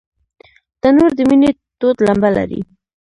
تنور د مینې تود لمبه لري